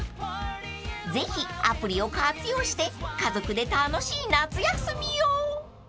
［ぜひアプリを活用して家族で楽しい夏休みを！］